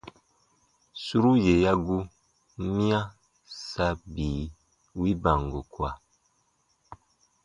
Suru yè ya gu, miya sa bii wi bango kua.